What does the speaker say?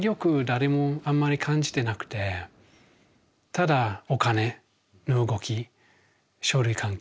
誰もあんまり感じてなくてただお金の動き書類関係みたいな。